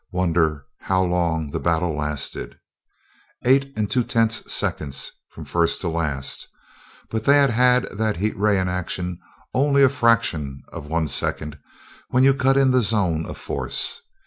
"Wonder how long the battle lasted?" "Eight and two tenths seconds, from first to last, but they had had that heavy ray in action only a fraction of one second when you cut in the zone of force.